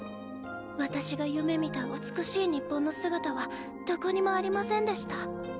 私が夢見た美しい日本の姿はどこにもありませんデシタ。